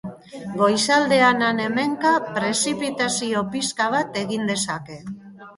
Goizaldean han-hemenka prezipitazio pixka bat egin dezake.